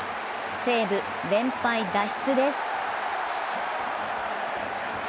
西武、連敗脱出です。